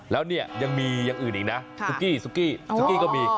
แล้วเนี่ยยังมีอย่างอื่นอีกนะซุกี้ซุกี้ซุกี้ก็มี